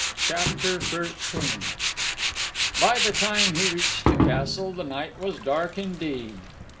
CHAPTER XIII By the time he reached the castle, the night was dark indeed.